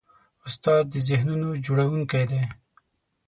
استاد د ذهنونو جوړوونکی دی.